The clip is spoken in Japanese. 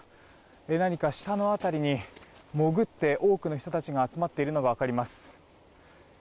何か下の辺りに潜って多くの人たちが集まっているのが分かります。